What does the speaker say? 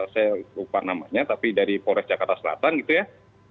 saya lupa namanya tapi dari polres jakarta selatan gitu ya